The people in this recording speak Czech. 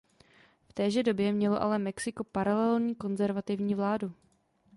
V téže době mělo ale Mexiko paralelní konzervativní vládu.